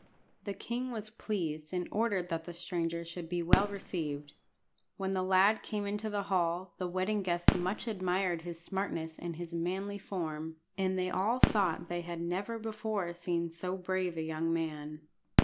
The king was pleased, and ordered that the stranger should be well received. When the lad came into the hall, the wedding guests much admired his smartness and his manly form, and they all thought they had never before seen so brave a young man.